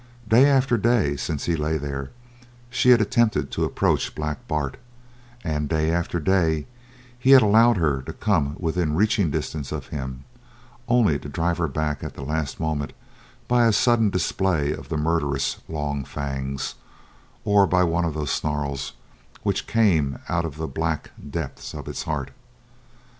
Day after day since he lay there, she had attempted to approach Black Bart, and day after day he had allowed her to come within reaching distance of him, only to drive her back at the last moment by a sudden display of the murderous, long fangs; or by one of those snarls which came out of the black depths of his heart.